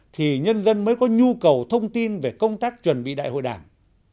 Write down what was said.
dân dân mới có nhu cầu thông tin về công tác chuẩn bị đại hội đảng